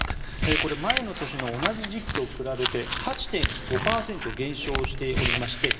これ、前の年の同じ時期と比べて８．５％減少していまして